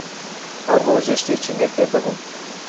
هەر ڕۆژەی شتێکی نوێ فێر دەبووم